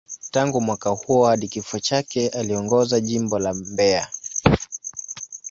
Tangu mwaka huo hadi kifo chake, aliongoza Jimbo la Mbeya.